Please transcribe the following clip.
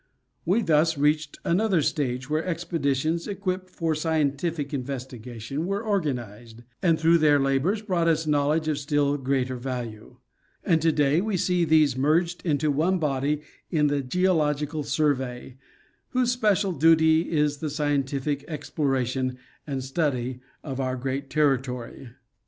We thus reached another stage where expeditions equipped for scientific investigation were organized, and through their labors brought us knowledge of still greater value ; and to day we see these merged into one body in the geological survey, whose special duty is the scientific exploration and study of our great territory.